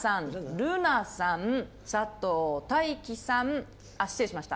瑠奈さん佐藤大樹さん失礼しました。